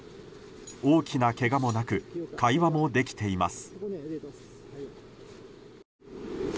大きなけがもなく会話もできています。